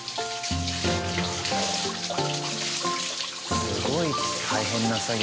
すごい大変な作業。